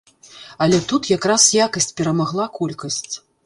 Але тут якраз якасць перамагала колькасць.